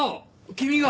君が。